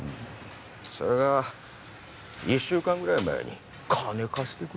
それが１週間ぐらい前に金貸してくれって。